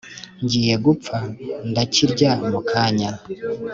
ngiye gupfa ndakirya mukanya!